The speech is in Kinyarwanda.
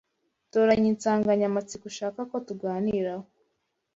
Toranya insanganyamatsiko ushaka ko tuganiraho